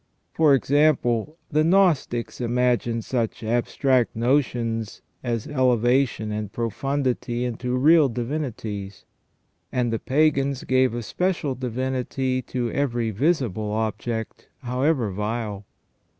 For example, the Gnostics imagined such abstract notions as eleva tion and profundity into real divinities. And the pagans gave a special divinity to every visible object, however vile.